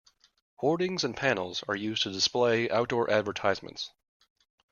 Hoardings are panels used to display outdoor advertisements